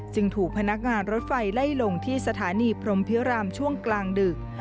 ถูกพนักงานรถไฟไล่ลงที่สถานีพรมพิรามช่วงกลางดึก